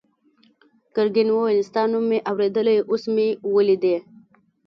ګرګین وویل ستا نوم مې اورېدلی اوس مې ولیدې.